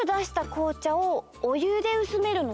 こうちゃをおゆでうすめるの？